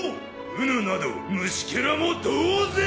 うぬなど虫けらも同然！